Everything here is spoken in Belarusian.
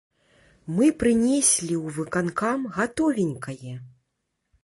Мы прынеслі ў выканкам гатовенькае!